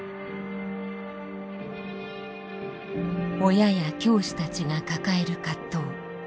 親や教師たちが抱える葛藤。